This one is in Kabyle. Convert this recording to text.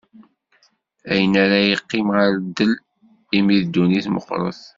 Ayen ara yeqqim ɣer ddel, imi d dunnit meqqret.